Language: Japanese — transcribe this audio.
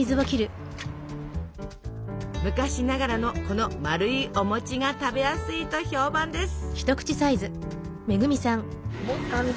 昔ながらのこのまるいお餅が食べやすいと評判です。